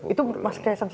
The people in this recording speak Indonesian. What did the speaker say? iya bubur lemu